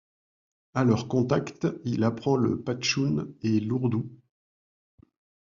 À leur contact, il apprend le pachtoune et l'ourdou.